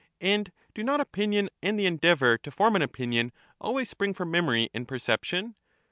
And do not opinion and the endeavour to form an Opinions opinion always spring from memory and perception